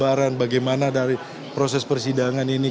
dengan penuh kesabaran bagaimana dari proses persidangan ini